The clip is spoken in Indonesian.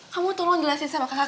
kamu tolong jelasin sama kakak